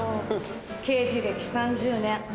刑事歴３０年。